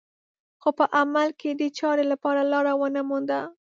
خو په عمل کې دې چارې لپاره لاره ونه مونده